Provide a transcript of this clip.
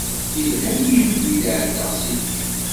Ilha-yi mi d-ɛeddaɣ si lḥif.